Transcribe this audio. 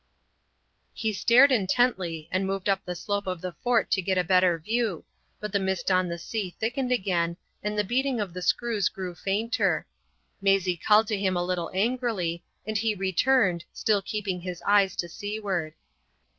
He stared intently, and moved up the slope of the fort to get a better view, but the mist on the sea thickened again, and the beating of the screws grew fainter. Maisie called to him a little angrily, and he returned, still keeping his eyes to seaward.